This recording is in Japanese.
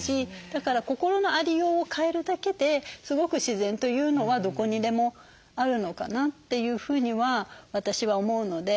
だから心のありようを変えるだけですごく自然というのはどこにでもあるのかなっていうふうには私は思うので。